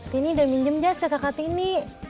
tini udah minjem jas ke kakak tini